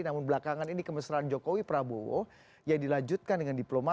namun belakangan ini kemesraan jokowi prabowo yang dilanjutkan dengan diplomasi